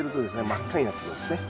真っ赤になってきますね。